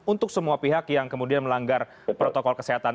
untuk semua pihak yang kemudian melanggar protokol kesehatan